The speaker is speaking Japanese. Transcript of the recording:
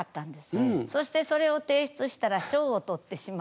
そしてそれを提出したら賞を取ってしまって。